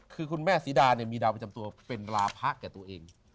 คือคุณแม่ศรีดามีดาวประจำตัวเป็นราพะแก่ตัวเอง